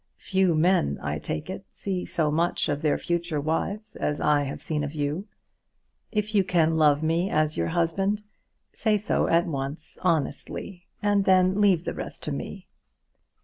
Few men, I take it, see so much of their future wives as I have seen of you. If you can love me as your husband, say so at once honestly, and then leave the rest to me."